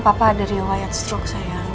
papa ada riwayat stroke saya